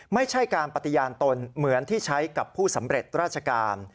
ไม่ใช่การปฏิญาณตนเหมือนที่ใช้กับผู้สำเร็จราชการ